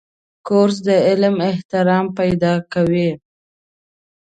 کورس د علم احترام پیدا کوي.